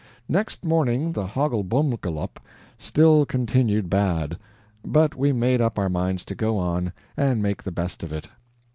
Next morning the HOGGLEBUMGULLUP still continued bad, but we made up our minds to go on, and make the best of it.